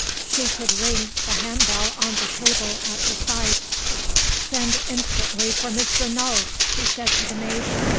She could ring the hand bell on the table at her side. "Send instantly for Mr. Null," she said to the maid.